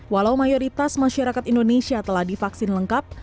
walau mayoritas masyarakat indonesia telah divaksin lengkap